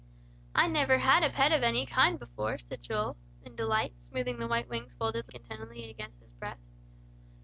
"I never had a pet of any kind before," said Joel, in delight, smoothing the white wings folded contentedly against his breast.